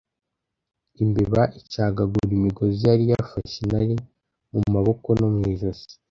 Imbeba icagagura imigozi yari yafashe intare mu maboko no mu ijosi